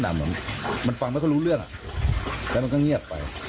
นั่งมันฟังมันก็รู้เรื่องอ่ะแล้วมันก็เงียบไป